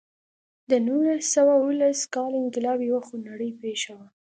د نولس سوه اوولس کال انقلاب یوه خونړۍ پېښه وه.